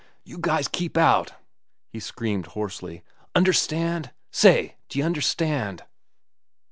"You guys keep out!" he screamed hoarsely. "Understand? Say, d'ye understand?"